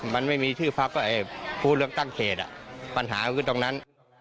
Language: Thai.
มันไม่มีชื่อพักก็พูดเรื่องตั้งเขตปัญหาขึ้นตรงนั้น